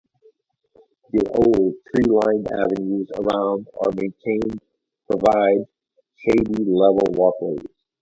The old, tree-lined avenues around are maintained provide shady level walkways.